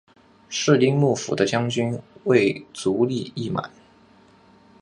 室町幕府的将军为足利义满。